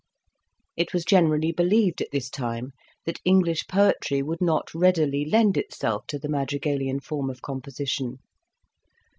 It was generally believed at this time that English poetry would not readily lend itself to the madrigalian form of composition.